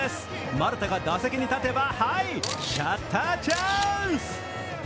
丸田が打席に立てばはい、シャッターチャンス！